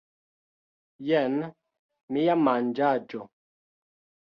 Jen mia manĝaĵo